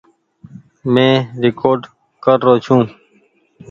مين ريڪوڊ ڪر رو ڇون۔